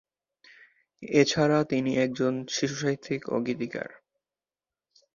এছাড়া তিনি একজন শিশুসাহিত্যিক ও গীতিকার।